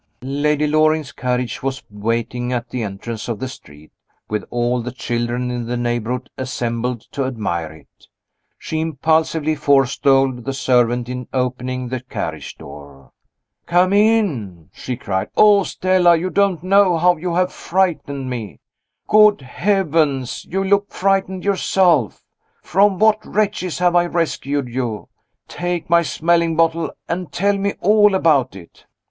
Lady Loring's carriage was waiting at the entrance of the street, with all the children in the neighborhood assembled to admire it. She impulsively forestalled the servant in opening the carriage door. "Come in!" she cried. "Oh, Stella, you don't know how you have frightened me! Good heavens, you look frightened yourself! From what wretches have I rescued you? Take my smelling bottle, and tell me all about it."